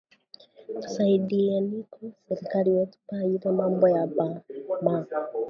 Tu saidieniko serkali wetu pa ile mambo ya ba mama